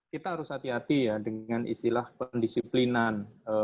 kita harus hati hati ya dengan istilah pendisiplinan